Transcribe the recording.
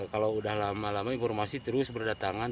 kalau sudah lama lama informasi terus berdatangan